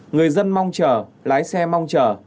người dân mong chờ lái xe mong chờ